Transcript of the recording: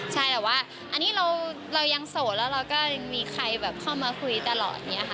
ใช่แต่ว่าอันนี้เรายังโสดแล้วเราก็มีใครเข้ามาคุยตลอดเนี่ยค่ะ